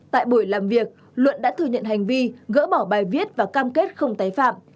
tại buổi làm việc luận đã thừa nhận hành vi gỡ bỏ bài viết và cam kết không tái phạm